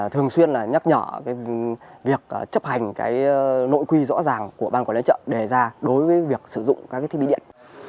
thường xuyên là nhắc nhở việc chấp hành cái nội quy rõ ràng của ban quản lý trợ để ra đối với việc sử dụng các thiết bị điện